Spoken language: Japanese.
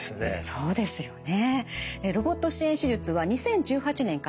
そうですよね。